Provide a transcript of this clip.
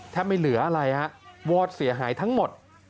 ไม่เหลืออะไรฮะวอดเสียหายทั้งหมด